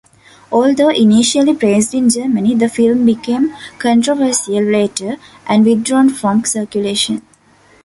Although initially praised in Germany, the film became controversial later, and withdrawn from circulation.